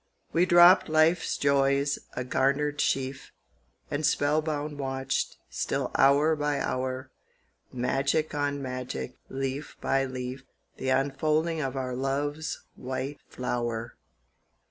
We dropped life's joys, a garnered sheaf, And spell bound watched, still hour by hour, Magic on magic, leaf by leaf, The unfolding of our love's white flower.